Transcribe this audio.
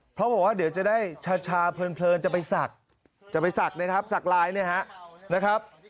เพราะบอกว่าเดี๋ยวจะได้ชาเพลินจะไปสักจะไปสักนะครับสักร้ายนะฮะนะครับ